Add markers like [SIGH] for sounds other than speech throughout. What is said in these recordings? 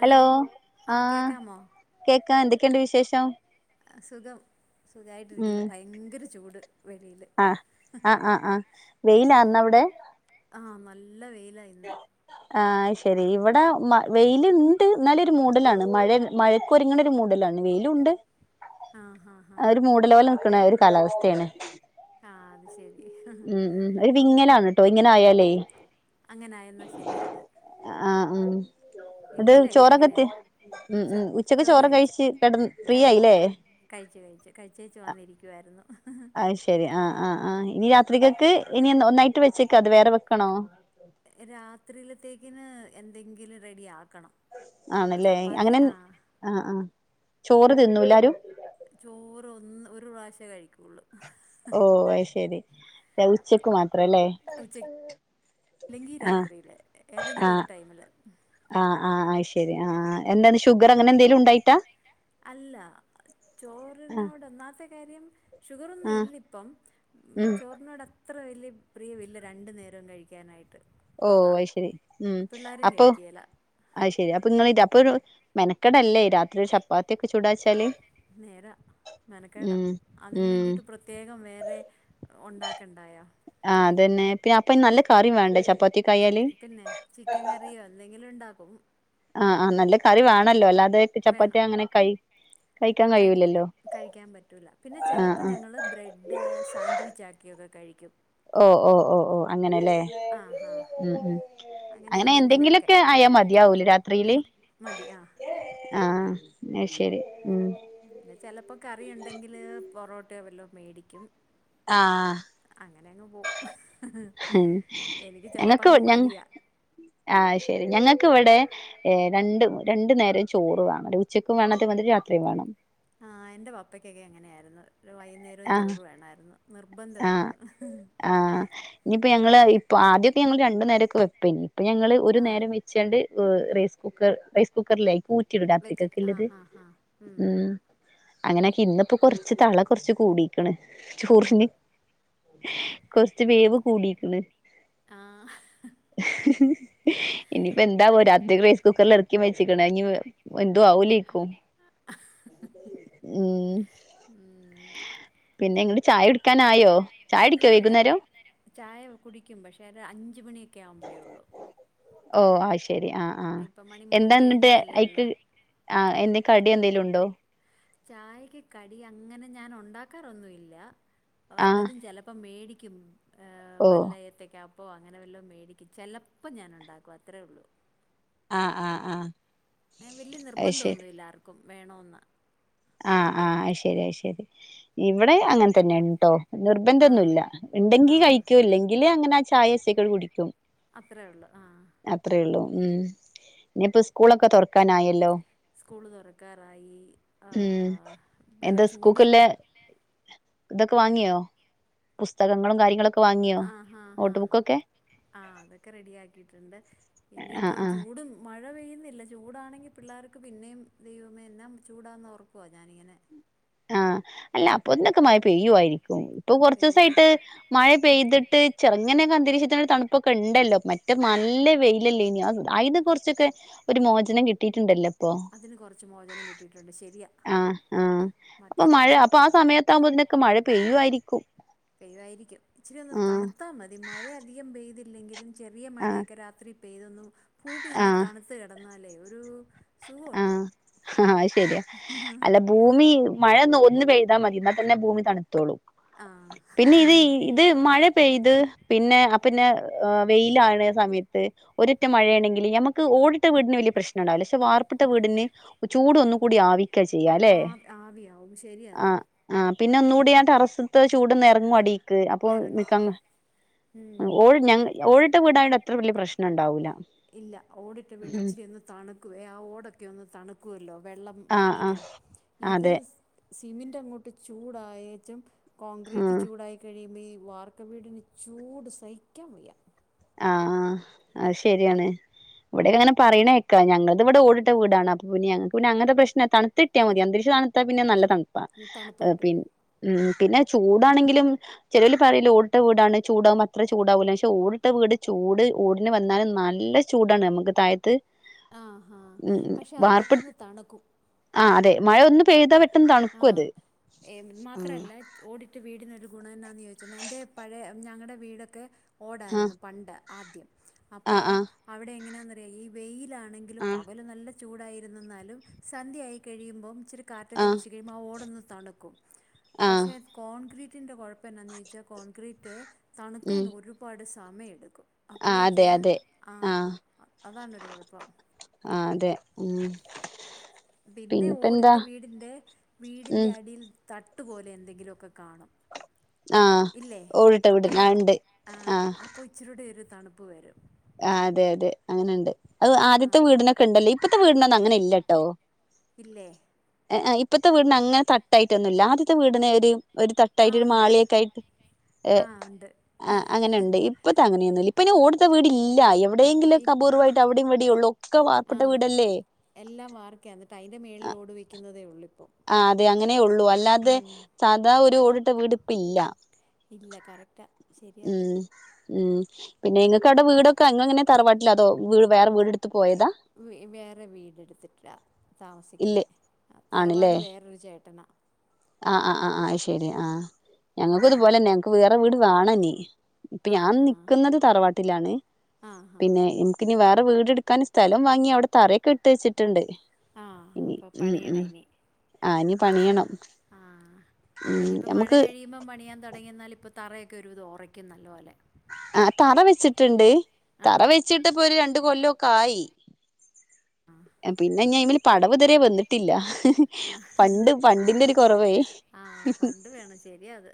Hello ആ കേക്കാം ന്ത്‌ ക്കെണ്ട് വിശേഷം? സുഖം. ഉം സുഖമായിട്ടിരിക്കുന്നു ഭയങ്കര ചൂട് വെളിയിൽ ആഹ് ആഹ് ആഹ് ആഹ് വെയിലാ ഇന്നവിടെ ആ നല്ല നല്ല വെയില ഇന്ന് ആ ശരി ഇവിടെ വെയിലുണ്ട് എന്നാലും ഒരു മൂടലാണ് മഴ മഴക്കൊരുങ്ങണ ഒരു മൂടലാണ് വെയിലുമുണ്ട് ആ ഹാ ഹാ ഒരു മൂടലു പോലെ നിക്കണ ഒരു കാലാവസ്ഥയാണ് ആഹഅത് ശെരി ഉം ഉം ഒരു വിങ്ങലാണ് കേട്ടോ ഇങ്ങനെ ആയാലേ അങ്ങനായെന്നാ ശരിയാ അത് ആഹ് ആഹ് ഇത് ഇന്നലെയൊക്കെ ചോറൊക്കെ അങ്ങനെയ തി ഉം ചോ ഉം ഉച്ചക്ക് ചോറ് കഴിച്ചു കഴിച്ച് കിടന്ന് ക ഫ്രീ ആയില്ലേ കഴിച്ചു കഴിച്ചു കഴിച്ചേച്ച് വന്നിരിക്കുവായിരുന്നു ആഹ് ശരി ആഹ് ആഹ് ആഹ് ഇനി രാത്രിയിലേക്ക് ഇനി ഒന്നായിട്ട് വെച്ചേക്ക അതോ വേറെ വെക്കണോ രാത്രിയിലത്തേക്കിന് എന്തെങ്കിലും റെഡി ആക്കണം ആണല്ലേ ചപ്പാത്തി അങ്ങനെ ആ ആ ആ ചോറ് തിന്നുല്ലാരും ചോറ് ഒന്ന് ഒരു പ്രാവശ്യേ കഴിക്കു ഓ അത് ശെരി ആ ഉച്ചക്കു മാ ഉച്ചക്ക് അല്ലെങ്കിൽ ആഹ് രാത്രിയില് ഏതെങ്കിലും ഒരു ടൈമിൽ ആ ശെരി ആ എന്താന് ഷുഗർ അങ്ങനെ എന്തേലും ഉണ്ടായിട്ടാ അല്ല ആഹ് ചോറിനോട് ഒന്നാമത്തെ കാര്യം ഷുഗറൊന്നും ആഹ് ഇല്ല ഇപോം ഉം ചോറിനോട അത്ര വലിയ പ്രിയവില്ല രണ്ട് നേരവും കഴിക്കാനായിട്ട് ഓ അതാ അയിശ്ശേരി ഉം പിള്ളേരും അപ്പൊ കഴിക്കുകയില്ല അയിശ്ശേരി അപ്പൊ നിങ്ങളി അപ്പോഴും മെനകെടല്ലേ രാത്രി ചപ്പാത്തിയൊക്കെ ചൂടാന് വെച്ചല് നേരാ മെനക്കെടാ അതിന് ഉം വേണ്ടിയിട്ട് പ്രത്യേകം വേറെ ഉണ്ടക്കണ്ടായോ ആ അതന്നെ പിന്നെ അപ്പൊ നല്ല കറിം വേണ്ടേ ചാ [INAUDIBLE] പിന്നെ ചിക്കൻ കറിയോ എന്തെകിലും ഇണ്ടാ ഉം ആ ആ നല്ല കറി വാണല്ലോ അല്ലാതെ ചപ്പാത്തി അങ്ങനെ കൈ കഴിക്കാൻ കൈ കഴിയൂലല്ലോ കയ്ക്കാൻ പറ്റൂല പിന്നെ ആഹ് ചെലപ്പോ ആഹ് ഞങ്ങള് ബ്രെഡ് സാൻഡ്വിച്ചാക്കിയത് കഴിക്കും ഓഹ് ഓഹ് ഓഹ് ഓഹ് അങ്ങനെ അല്ലെ ആഹ് ആഹ് ഉം ഉം അങ്ങനെ എന്തെങ്കിലുമൊക്കെ ആയാ മതിയാവുലെ രാത്രിയില് ഉം മതി ആഹ് ആഹ് എന്നാ ശെരി ചിലപ്പോ കറി ഉണ്ടെങ്കില് പൊറോട്ടയോ വല്ലോ മേടിക്കും ആഹ് അങ്ങനെ അങ്ങ് പോവും എനിക്ക് ചിലപ്പോൾ ഞങ്ങക്ക് അങ്ങ് ഞങ്ങ മടിയാ ആഹ് ശെരി ഞങ്ങ എനിക്ക് ഇവിടെ രണ്ടും രണ്ടു നേരോം ചോറ് വേണം ഉച്ചക്കും വേണം അതേപോലെ രാത്രിയും വേണം ആഹ് എന്റെ പപ്പക്കൊക്കെ അങ്ങനെയായിരുന്നു ഒരു വൈകുന്നേരം ആഹ് ചോറ് വേണായിരുന്നു ആഹ് ആഹ് ഇനി ഇപ്പൊ ഞങ്ങള് ഇപ്പോ ആദ്യമൊക്ക ഞങ്ങള് രണ്ടു നേരംക്കെ വേപ്പെനു അപ്പ ഞങ്ങള് ഒരു ആഹ് നേരം വെച്ചാണ്ട് ഒ റൈസ് കുക്കർ, റൈസ് കുക്കറിലെ പൂച്ചിട വെച്ചിട്ട് ടാത്രിക്കൊക്കെള്ളത് ആഹ് ആഹ് ആഹ് ഉം. അങ്ങനെയൊക്കെ ഇന്നിപ്പോ കൊറച്ച് തള കുറച്ച് കൂടീക്കണ് ചൊറിഞ്ഞ്. കൊറച്ച് വേവ് കൂടിക്കണ്. ആഹ് ഇനിപ്പോ എന്താവോ രാത്രി റൈസ് കുക്കറൽ ഇറക്കി മെച്ചിക്കണ ഇനി എന്തു ആവോലേക്കും ഉം ഉം പിന്നെങ്ങള് ചായ ക്കാനായോ? ഇല്ലല്ല, [UNINTELLIGIBLE] ചായ കുടിക്കും പക്ഷേ ഒരു അഞ്ച് മണി. ക്ക ആവുമ്പഴേ ഉള്ളൂ. ഓ ആ ഇഷ് ശരി ആ ആ ഇപ്പം മണി മൂന്ന് എന്താന്നിട്ട് കഴിഞ്ഞിട്ടല്ലേ ഉള്ളൂ ഐക്ക് ആ എന്തെ കടി എന്തേലും ഉണ്ടോ? ചായക്ക് കടി അങ്ങനെ ഞാൻ ഉണ്ടാക്കാറൊന്നു ഇല്ല. ആ വല്ലതും ചിലപ്പ മേടി ക്കും. ങഅ ഓ വല്ല ഏത്തയ്ക്ക അപ്പോൾ അങ്ങനെ വല്ലോ മേടിക്കും, ചിലപ്പോം ഞാൻ ഉണ്ടാക്കും അത്രേ ഉള്ളൂ. ആഹ് ആഹ ആഹ വല്ിയ നിർബന്ധം ഒന്നുമ ഇല്ലാർക്കും ും വേണമന്ന് ആഹ് ആഹ ശരിയ ശരി ഇവിടെ അങ്ങനെ തന്നെ ഉട്ടോ ആഹ് നിർബന്ധൊന്നുമല്ല ഉണ്ടെങ്കി ആഹ് കഴിക്ക ഇല്ലെങ്കിൽ അങ്ങനെ ആ ചായ ികൾ കുടിക്കും അത്രേ ഉള്ളു ആഹ അത്രേ ഉള്ളൂ ഉം ഇനിപ്പോ സ്കൂളൊക്കെ തുറക്കാനായല്ലോ സ്കൂള് തുറക്കാറായി ഉം ആഹ് ബെ എന്താ ചൂട് സ്കൂക്കല്ല ഇതൊക്കെ വാങ്ങിയോ പുസ്തകങ്ങളും കാര്യങ്ങളൊക്കെ വാങ്ങിയോ ആഹ ഹാ് ഹ നോട്ട് ബുക്കൊക്കെ ആ അതൊക്കെ റെഡി ആാക്കിട്ടുണ്ട് ആഹ് ഇനിയിപ്പം ആഹ് ചൂടും മഴ പുഴ പെയ്യുന്നില്ല ചൂടാണെങ്കിൽ പിള്ളേർക്ക് പിന്നെയും ദൈവമേ എന്നാം ചൂടാന്ന് ഉറക്കുവോ ഞാാനിങ്ങനെ ആഹ അല്ല അപ്പന്നൊക്കെ മ പെയ്യുയിരിക്കും ഇപ്പൊ കുറച്ച പെയ്യുവായിരി ദിവസയിട്ട് മഴ പെയ്തിട്ട് മ ചെറങ്ങനെയൊക്കെ അന്തരീക്ഷത്തിനരു തണുപ്പൊക്കെ ഉണ്ടല്ലോ മറ്റേ നല്ല വെയിലല്ലേ ഇനി അതിന കുറച്ചൊക്കെ ഒരു മോചനം കിട്ടിയിട്ടുണ്ടല്ലോ ഇപ്പൊ അതിന് കൊറച്ച് മോചനം കിട്ടിട്ടുണ്ട് ശെരിയാ ആഹ് ആഹ് അപ്പൊ മഴ അപ്പൊ ആ സമയത്ത് ആവുമ്പോത്തിന് ഒക്കെ മഴ പെയ്യുയിരിക്കും പെയ്യുവായിരിക്കും ഇച്ചിരി ഒന്ന് തണുത്താ മതി മഴ അധികം പെയ്തി ല്ലെങ്കിലും ചെറിയ ആഹ് മഴയൊക്കെ രാത്രി പെയ്തെന്നും ഭൂമി ഒന്ന് തണുത്ത് കെട എന്നലേ ഒരു ആ സുഖമുണ്ട് ഹഹ അയ്ശെരിയാ അല്ല ഭൂമി മഴ ഒ ന്ന് പെയ്ത മതി ന്നാതന്നെ ഭൂമി തണുത്തോളും ആ പിന്നെ ഇത് ഇത് മഴ പെയ്ത് പിന്നെ അ പിന്നെ വെയിൽ ആഹ്ണെ സമയത്ത് ഒര്ഇറ്റ് മഴ ആണേങ്കിൽ ഞമ്മക്ക് ഓടിട്ട വീടിൻ വല്യ പ്രശ്നംണ്ടാവൂല ക്ഷേ വർ പ്പിട്ട വീടിൻ ചൂട് ഒന്നും കൂടി ആവി ക്കാ ചെയ്യാല്ലെ ആ ആവിയാവും ശരിയാ അത് അഹ് അഹ് പിന്നെ ഒന്നുകൂടി ആ ടെറസ്ത്തെ ചൂട് ഒന്ന് എറങ്ങും അടി ക്ക് അപ്പൊ ഇറങ്ങും നിക്കന്ന് ആ ഉം ഓട് ഞാൻ ങ്ങൾ ഓടി ട്ട വീട് ആയോണ്ട് അത്രവല്യ പ്രശ്നം ണ്ടാവൂല ഇല്ല ഓടിട്ട വീട് ഇച്ചിരി ഒന്ന് തണുക്കുവേ ആ ഓട് ഒക്കെ ക്കെ ഒന്ന് തണുക്കുവല്ലോ വെള്ളം ആ ആ നനഞ്ഞ ഇത് അതെ സിമിന്റ് അങ്ങോട്ട് ചൂടായേച്ചും ആ കോൺക്രീറ്റ് ചൂടായി കഴിയുമ്പോ ഈ വാർക്ക വീടിന്റെ ചൂട് സഹിക്കാൻ വയ്യ ആ ആ അഹ്ശെരിആണ് വടെയൊക്കെങ്ങനെ പറിയ്ണേ കേക്ക ഞങ്ങൾത് വടെ ഓടിട്ട വീടാണ് അപ്പം പിന്നെ ഞങ്ങൾക്ക് പിന്നെ അങ്ങൻത്തെ പ്രശ്നം തണുത്ത് കിട്ടിയ മതി അന്താരിക്ഷം തണുത്ത പിന്നെ നല്ലെ തണ് പ്പ തണുപ്പ് ഹ് പി കിട്ടും മ്മ് പിന്നെ ചൂടാണെങ്കിലും ചേലോൽ പറയൊല്ലോ ഓടിട്ട വീടാണ് ചൂട് ആവുമ്പം അത്ര ചൂട് ആവൂല്ലാന്ന് ക്ഷേ ഓടി ട്ട വീട് ചൂട് ഓടിൻ വാന്നാൽ നല്ല ചൂട് ആണ് ഞമ്മക്ക് താഴത്ത് ആഹ ഹാ ഉം പശേ അത്‌ വാർപ്പ് പെട്ടൊന്ന് തണുക്കും ആ അതെ [UNINTELLIGIBLE] ആഹ അത് എ ന്ന് മാത്രല്ല ഓടിട്ടവീടിനൊരു ഗുണോ ന്നാന്ന് ചോദിച്ചെന്നെ എന്റെ പഴെ മ് ഞങ്ങടെ വീടൊക്കെ ആ ഓടായിര്ന്നു പണ്ട് ആദ്യം ആ അപ്പൊ ആ അവിടെ എങ്ങനാന്ന് വെ വെയ് വെയിലാണ് ണെങ്കിലും ആ പകല് നല്ല ചൂടായിരുന്നെന്നാലും സന്ധയായി കഴിയുബം [UNINTELLIGIBLE] ആ ഓടൊന്ന് തണ്ക്കും ആ പക്ഷേ കോൺക്രീ [UNINTELLIGIBLE] പിന്നെ നീച്ച കോയ ക്രീറ്റ് ഉം തണ്ക്കാൻ ഒരുപാട് സമയെടുക്കും ആ അതെ അപ്പോഴേക്ക് അതെ ആ അതാണ് ഒരു കൊഴപ്പം ആ അതെ ഉം പിന്നെ പിന്നെപ്പ എന്താ ഓടിട്ട് വീടിന്റെ വീടിന്റെ ഉം അടിയിൽ തട്ട്പോലെ എന്തെങ്കിലുക്കെ കാണും ആ ഇല്ലേ ഓടിട്ട വീട് അപ്പഴേ ആ ഇണ്ട് ആ അപ്പൊ ഇച്ചിരിയുടെ തണുപ്പ് വരും ആ അതെ അതെ അങ്ങനെണ്ട് അത് ആ ആദ്യത്തെ വീടിനൊക്കെണ്ടല്ലോ ഇപ്പോത്തെ വീടിനോന്നും അങ്ങനെല്ല ല്ലട്ടോ ഇല്ലെ ഇപ്പത്തെ വീടിന് അങ്ങനെ തട്ടായിട്ടൊന്നുല്ല ആദ്യത്തെ വീടിന് ഒരു ഒരു ആ തട്ടായിട്ട് ഒരു ഉണ്ട് മാളിയൊക്കെ ആയിട്ട് ആ ഉണ്ട് അങ്ങനെ ഉണ്ട് ഇപ്പത്തെ അങ്ങനെയൊന്നും ഇല്ല ഇപ്പയ്ന് ഓ വീടില്ല ഇ എവിടെങ്കിലൊക്കെ അപൂർവായിട്ട് [UNINTELLIGIBLE] ഒള്ളൂ ആ എല്ലാം വാർക്ക എന്നിട്ട് അതിന്റെ മേളിലോട് വെക്കുന്നതേള്ളൂ ള്ളൂ അല്ലാ തെ ഉം. സാ ഓടിട്ട വീട് പ്പില്ല ഇല്ല കറക്റ്റാ ശരിഅത് ഉം പിന്നെ ഇങ്ങകവുടെ വീടൊക്കെ ഇങ്ങള് തറവാട്ടില്ലോ അതോ വേറെ വീട് എടുത് വേറെ വീട് ടുത്തിട്ടാ താമസിക്കുന്നെ ഇല്ലേ തറവാട് വേറെ ചെ എത്ത്ന്ന ആആ ആ അഹ് ശരി ആ ഞങ്ങക്കു അങ്ങനെ ഇതുപോലെന്നെ ഞങ്ങക്കൂ വിയർ ഒര് വീട് വാണ നി ഇപ്പെ ആ ഞാൻ ഹാ നിക്ക്ന്നത് തറവാട്ടിലാണ് ആ ഹാ പിന്നെ എന്ക്ഞി വേറ് വിടെ വീടെടുക്കാന് സ്ഥലം വാങ്ങി അവ്ടെ തറയൊക്കെ ഇട്ടു വെച്ച്ട്ട്ണ്ട് ആഹ് ഇനി അപ്പൊ മ് മ് പണിയണം ഇനി ആനിം പണിയണം [UNINTELLIGIBLE] അപ്പെ ഉം ഇനിയിപ്പ മഴ നമുക്ക് കഴിയുമ്പം പണിയാൻ തൊടങ്ങി എന്നാൽ ഇപ്പൊത് തറയൊക്കെ ഒരു വിതം ഒറയ്ക്കും നല്ല പോലെ ആ തറ വെച്ചിട്ട്ണ്ട് തറ ആഹ് വെച്ചിട്ട് പ്പൊ ഒര് രണ്ട് കൊല്ലും ക് കായി പിന്നെ ഞയ്മല് പടവ് തരേ വന്ന്ട്ടില്ല ആ പണ്ട് വേണം ശര്യ അത്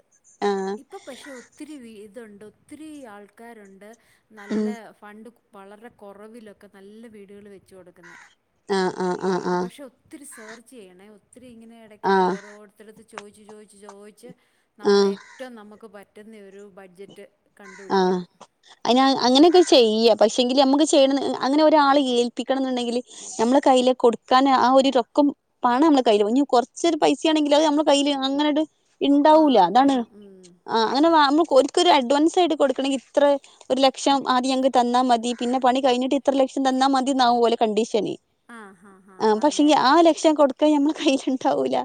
ആ ഇപ്പൊ പക്ഷെ ഒത്തിരി വീതൊണ്ട്ന്ന് ത്തിരി ആൾക്കാരുണ്ട് നല്ല ഉം ഫണ്ട് കു വളരെ കൊറവിലൊക്കെ നല്ല വീടുകൾ വെച്ചു കൊടുക്കുന്നെ ആ കയ്യണേ ഒന്ന് ഇത്തിരി ഇങ്ങനെ ആ എടക്കൊക്കെ ഓരോര്ത്തരട്ത് ചോയിചു ചോയിചു ചോയ്ച് ക്ക് ആ നമ്മളേറ്റവും നമുക്ക് പറ്റ് പ്പെട്ടെന്ന് ഒരു ബഡ്ജറ്റ് ആ കണ്ടുപിടിക്കണം അയ്നാ അങ്ങനെയൊക്കെ ചെയ്യാ പക്ഷെങ്കില് അമ്മുക്ക് ചെയ്യണന്ന് അങ്ങനെ ഒരാള് ഏൽപിക്കണന്ന്ണ്ടങ്കില് നമ്മളെ കയ്യില് കൊടുക്കാന് ആ ഒരു റൊക്കം പണം നമ്മളെ കയ്യില് വേണം ഇഞ് കൊർച്ചൊരു പൈസാണെങ്കിൽ അത് നമ്മുടെ കയ്യില് അങ്ങനങ്ങട്ട് ഇണ്ടാവൂല ആഹ് അതാണ് വേണം ഉം ആ അങ്ങനെ വാങ്ങു ഓര്ക്കൊരു അഡ്വാൻസായിട് കൊടുക്കണെങ്കിൽ ഇത്ര ഒരു ലക്ഷം ആദ്യം ഞങ്ങക്ക് തന്നാ മതി പിന്നെ പണി കഴിഞ്ഞിട്ട് ഇത്ര ലക്ഷം തന്നാ മതിന്നാവും ഓലെ കണ്ടീഷന് ആഹ് ഹാ ഹാ ആ അത് പക്ഷെങ്കി ഈ നേരാ ആ ലക്ഷം കൊടുക്കാ നമ്മള് കയ്യില്ണ്ടാവൂല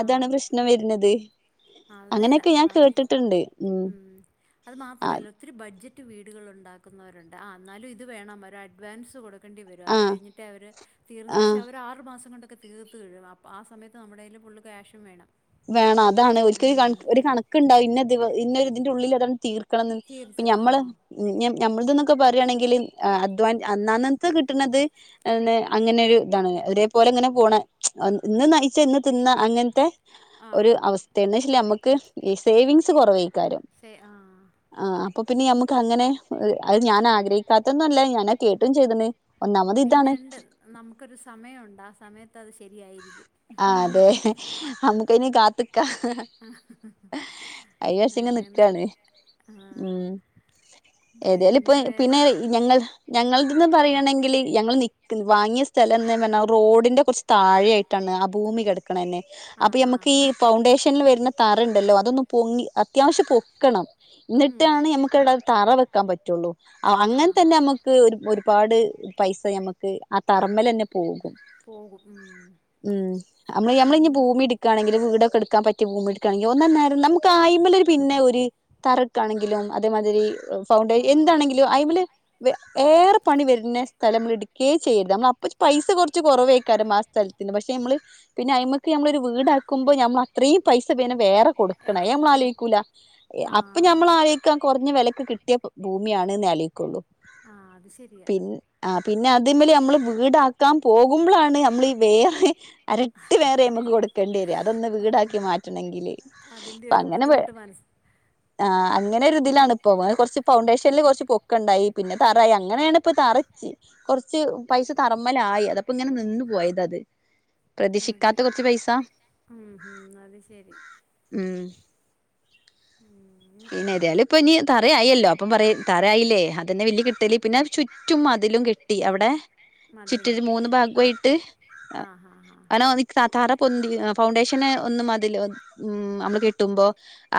അതാണ് പ്രശ്നം വര്ന്നത് അത് നേരാ അങ്ങനെയൊക്കെ ഞാൻ അവര് കേട്ട്ട്ട്ണ്ട് മ് ത്രല്ല ഒത്തിരി ബഡ്ജെറ്റ് റ്റ് വീടുകൾ ണ്ടാക്കുന്നവരൊണ്ട് ആ അന്നാലും ഇത് വേണം ഒരു അഡ്വാൻസ് കൊട് ക്കേണ്ടി വരും അത് ആ കഴിഞ്ഞിട്ട് അവര് തീർന്ന് ആ പക്ഷെ അവര് ആറ് മാസം കൊണ്ട് കെ തീർത്ത് കഴും അപ്പ ആ സമയത്ത് നമ്മുടേല് ക ഫുള്ള് ക്യാഷും വേണം വേണം അതാണ് ഒരിക്ക ക ഉം ഒരു കണക്ക്ണ്ടാവും ഇന്നെ ഇന്നൊ ഇതിന്റെ ഉള്ളിൽ ഇതൊന്ന് തീർക്ക ണംന്ന് ഇപ്പ തീർത്ത് നമ്മള് ആഹ് നന്മ് നമ്മളതന്നൊക്കെ പറയുകയാണെങ്കിൽ അധ്വാ അന്നന്നത്തെ കിട്ടണുന്നത് അങ്ങനെ ഒരു ഇതാണ് ഒരേ പോലെ ഇങ്ങനെ പോണ് ഇന്ന് നയിച്ച ഇന്ന് തിന്ന അങ്ങനത്തെ ഒരു ആഹ് അവസ്ഥയാണ് [UNINTELLIGIBLE] ഇത് ഈ സേവിങ്സ് കുറവായിരിക്കും ശെ ആഹ് അപ്പൊ പിന്നെ അമ്മക്ക് അങ്ങനെ അത് ഞാൻ ആഗ്രഹിക്കാത്തൊന്നും അല്ല ഞാനാ കേട്ടും ചെയ്തണ് ഒന്നാമത് ഇതാണ് പിന്നെഒണ്ട് നമുക്കൊരു സമയമുണ്ട് ആ സമയത്ത് അത് ശരിയായിരിക്കും ങാ അതെ നമുക്ക് ഇനി കാത്ത് [UNINTELLIGIBLE] ആഴ്ച്ച ഇങ്ങെ അങ്ങനെ നിക്കാണ് ഉം ആഹ് ഏതായാലും ഇപ്പ പിന്നെ പിന്നെ വേറെ ഞങ്ങൾ ഞങ്ങ ന്ന് പറയാണെങ്കിൽ ഞങ്ങൾ നിക്കുന്ന വാങ്ങിയ സ്ഥലം എന്ന് പറഞ്ഞാ റോഡിന്റെ കുറച്ച് താഴെ ആയിട്ടാണ് ഭൂമി കിട ക്കണ തന്നെ അപ്പൊ ആഹാ നമുക്ക് ഈ പൗണ്ടേഷനിൽ വരുന്ന താറുണ്ടല്ലോ അതൊന്ന് പൊങ്ങി അത്യാവശ്യം പൊക്കണം ഉം എന്നിട്ടാണ് നമുക്ക് അവിടെ തറ വെ വെയ്ക്കാൻ പറ്റുള്ളൂ ആഹാ അങ്ങൻതന്നെ നമുക്ക് ഒരു ഒരുപാട് പൈസ ഞമുക്ക് ആ തറമ്മലെന്നെ പോവും പോകും ഉം ഉം നമ്മള് നമ്മളി പിന് ഭൂമി എടുക്കുകണെങ്കിൽ വീടൊക്കെ എടുക്കാൻ പറ്റിയ ഭൂമിടുക്കാണെങ്കിൽ ഒന്ന നേരം നമുക്ക് ആയ്മല് പിന്നെ ഒരു തറക്കാണെങ്കിലും അതേമാതിരി ഫൗണ്ടെ ആഹ് എന്താണെങ്കിലും ഐമല് വെ ഏറെ പണി വര്ണെ സ്ഥലം ഇട്ക്കേ ചെയ്യരുത് നമ്മള് അപ്പ പൈസ കൊർച്ച് കൊർവേക്കാരം ആ സ്ഥല ത്തിന്‌ പക്ഷെ മ്മള് പിന്നെ അയ്മക്ക് നമ്മള് ഒരു വീടാക്കുമ്പോ നമ്മൾ അത്രയും പൈസ പിന്നെ വേറെ കൊടുക്കണ അ എക്സ് ഞമ്മൾ കൊടു ആലോയ്ക്കൂല അപ്പൊ ഞമ്മൾ ആഹ് ആലോയ്ക്ക കൊർഞ്ഞ വിലക്ക് കിട്ടിയപ്പ ഭൂമിയാണ്നാല് കൊള്ളു ആഹ് അത് ശരിയാ പി അ പിന്നെ അത് മേല് നമ്മൾ വീടാക്കാൻ പോകുമ്പോഴാണ് നമ്മളീ വേയ എരട്ടി പേറെ നമക്ക് കൊടുക്കേണ്ട്യെര അതൊന്ന് അതി വീടാക്കി മാറ്റണെങ്കില് അതിന്റെ ഇപ്പൊ ഒരു അങ്ങനെ ബുദ്ധിമുട്ട് മനസ് ആ് അങ്ങനെ ഒരു ഇതിലാണ് ഇപ്പൊ കുറച്ച് ഫൗണ്ടേഷനിൽ കുറച്ച് പൊക്കുണ്ടായി പിന്നെ തറായി അങ്ങനെയാണ് ഇപ്പൊ തറച്ച് കുറച്ച് പൈസ തറമ്മലായി അത്പ്പ ഇങ്ങനെ നിന്നു പോയത് അത് അത് പ്രതീക്ഷിക്കാത്ത കുറച്ച് പൈസ ഉം ഉം അത് ശരി ഉം ഉം പിന്നെ ഇതായാലും ഇപ്പൊ ഇനി തറയയില്ലോ അപ്പം പറ തറയയില്ലേ അതന്നെ വല് കിട്ടല് പിന്നെ ചുറ്റും മതിലും കെട്ടി അവിടെ മതിലും ചുറ്റരു കെട്ടി മൂന്ന് ഭാഗമായിട്ട് ആഹ് ആഹ് ആഹ് അനാ സാധാര പൊന്തി ഫൗണ്ടേഷന് ഒന്നും മതില് നമ്മള് കെട്ടുമ്പോ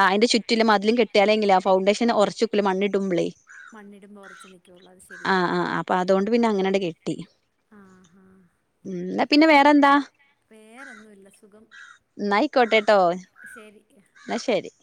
അതിന്റെ ചുറ്റിലും മതി ലും കെട്ടാലെങ്കിലാ ആ ഫൗണ്ടേഷൻ ഒർച്ച്ക്കൂല മണ്ണ് ഇടുംമ്പളേ മണ്ണിടുമ്പോ ഒറച്ച് നിക്കുള്ളു അത് ശെരിയാ അതു കൊണ്ട് പിന്നെ അങ്ങനട് ക്കെ ട്ടി ന്ന പിന്നെ വേറെന്താ വേറൊന്നുല്ല സുഖം കോട്ടെ ട്ടോ ശരി ന്ന ശരി